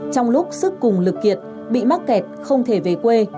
trong lúc sức cùng lực kiệt bị mắc kẹt không thể về quê